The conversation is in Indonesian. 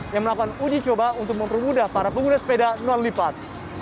yang melakukan uji coba untuk mempermudah para pengguna sepeda non lipat